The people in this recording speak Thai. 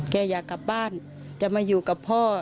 อยากกลับบ้านจะมาอยู่กับพ่อ